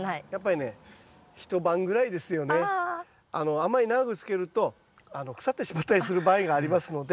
あんまり長くつけると腐ってしまったりする場合がありますので。